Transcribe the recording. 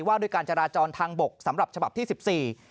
ว่าด้วยการจราจรทางบกสำหรับฉบับที่สิบสี่